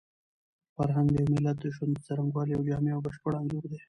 فرهنګ د یو ملت د ژوند د څرنګوالي یو جامع او بشپړ انځور دی.